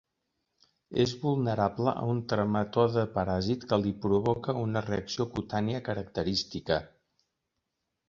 És vulnerable a un trematode paràsit que li provoca una reacció cutània característica.